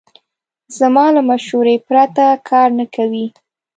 زما له مشورې پرته کار نه کوي.